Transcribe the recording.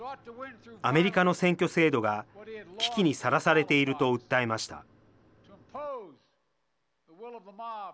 アメリカの選挙制度が、危機にさらされていると訴えました。